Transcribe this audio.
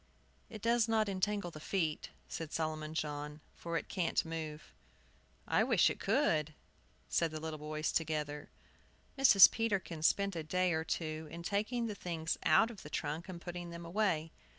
"It does not entangle the feet," said Solomon John, "for it can't move." "I wish it could," said the little boys together. Mrs. Peterkin spent a day or two in taking the things out of the trunk and putting them away.